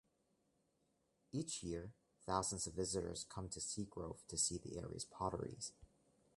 Each year, thousands of visitors come to Seagrove to see the area's potteries.